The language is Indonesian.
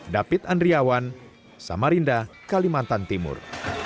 david andriawan samarinda kalimantan timur